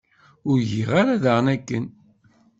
Ur giɣ ara daɣen akken.